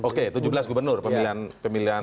oke tujuh belas gubernur pemilihan